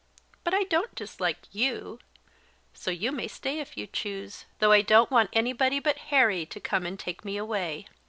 But I don't dislike you; so you may stay if you choose, though I don't want anybody but Harry to come and take me away."